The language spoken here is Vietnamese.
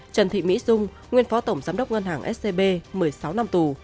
trần thị mỹ dung nguyên phó tổng giám đốc ngân hàng scb một mươi sáu năm tù